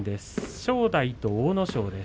正代と阿武咲です。